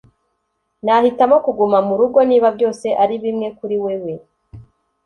nahitamo kuguma murugo niba byose ari bimwe kuri wewe.